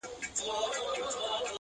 سل بللي يو نابللی سره يو نه دي. -